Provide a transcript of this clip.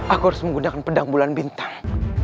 aku harus menggunakan pedang bulan bintang